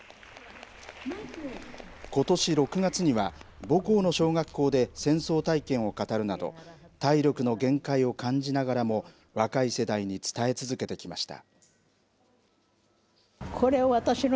ことし６月には、母校の小学校で戦争体験を語るなど体力の限界を感じながらも若い世代に伝え続けてきました。